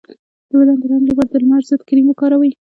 د بدن د رنګ لپاره د لمر ضد کریم وکاروئ